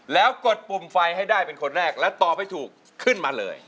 แล้วกดปุ่มไฟให้ได้เป็นคนแรกและตอบให้ถูกขึ้นมาเลย